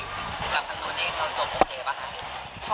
คลับข้างโนนเองเราก็จบโอเคป่าวค่ะ